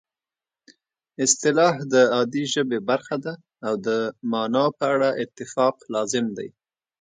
اصطلاح د عادي ژبې برخه ده او د مانا په اړه اتفاق لازم دی